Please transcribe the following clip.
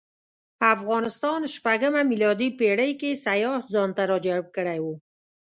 افغانستان شپږمه میلادي پېړۍ کې سیاح ځانته راجلب کړی و.